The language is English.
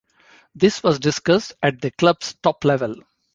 This was discussed at the club's top level.